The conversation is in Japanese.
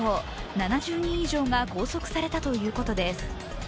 ７０人以上が拘束されたということです。